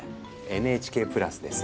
ＮＨＫプラスです。